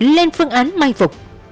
lên phương án may phục